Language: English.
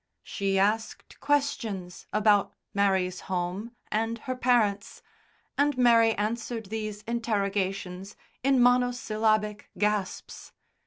She asked questions about Mary's home and her parents, and Mary answered these interrogations in monosyllabic gasps.